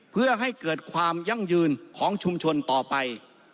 เพื่อให้เกิดความยั่งยืนของชุมชนต่อไป